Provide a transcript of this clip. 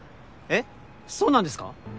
えっそうなんですか？